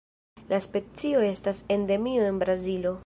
La specio estas endemio en Brazilo.